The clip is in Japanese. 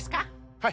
はい。